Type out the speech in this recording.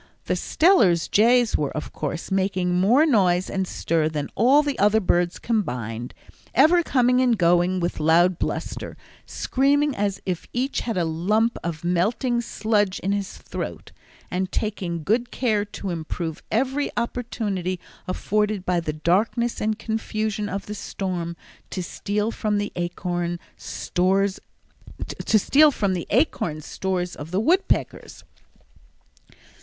The Steller's jays were, of course, making more noise and stir than all the other birds combined; ever coming and going with loud bluster, screaming as if each had a lump of melting sludge in his throat, and taking good care to improve every opportunity afforded by the darkness and confusion of the storm to steal from the acorn stores of the woodpeckers.